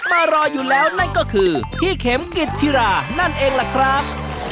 มารออยู่แล้วนั่นก็คือพี่เข็มกิจธิรานั่นเองล่ะครับ